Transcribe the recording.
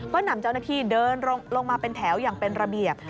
ก็นำเจ้าหน้าที่เดินลงมาเป็นแถวอย่างเป็นระเบียบ